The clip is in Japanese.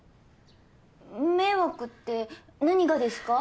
迷惑って何がですか？